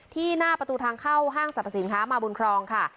ที่หน้าประตูทางเข้าห้างสรรพสินค้ามาบุญครองค่ะ